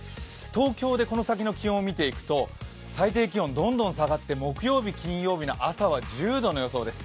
東京でこの先の気温を見ていくと最低気温どんどん下がって、木曜日、金曜日の朝は１０度の予想です。